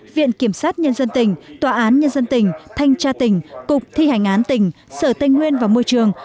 viện kiểm sát nhân dân tỉnh tòa án nhân dân tỉnh thanh tra tỉnh cục thi hành án tỉnh sở tây nguyên và môi trường